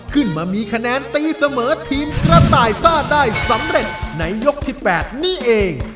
ขึ้นมามีคะแนนตีเสมอทีมกระต่ายซ่าได้สำเร็จในยกที่๘นี่เอง